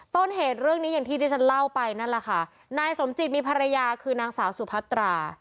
ต้นเหตุเรื่องนี้อย่างที่ที่ฉันเล่าไปนั่นแหละค่ะนายสมจิตมีภรรยาคือนางสาวสุพัตรา